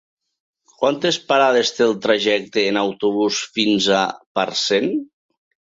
Quantes parades té el trajecte en autobús fins a Parcent?